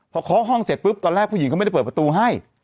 พอเคาะห้องเสร็จปุ๊บตอนแรกผู้หญิงเขาไม่ได้เปิดประตูให้